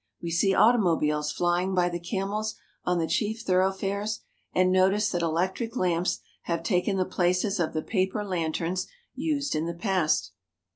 We see automobiles flying by the camels on the chief thoroughfares, and notice that electric lamps have taken the places of the paper lanterns used in the past.